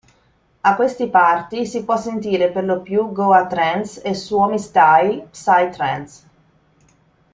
A questi party, si può sentire per lo più goa trance e Suomi-style psy-trance.